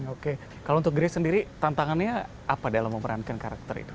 oke kalau untuk grace sendiri tantangannya apa dalam memerankan karakter itu